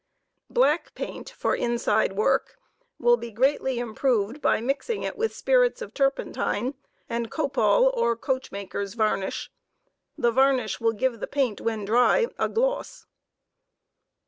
Black paint for inside work will be greatly improved by mixing it with spirits of turpentine and copal or coachmakers' varnish* The varnish will give the paint when dry a gloss.